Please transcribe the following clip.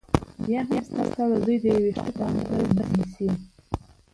بيا هم ستا د زوى د يوه وېښته په اندازه ځاى نيسي .